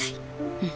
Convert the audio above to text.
うん。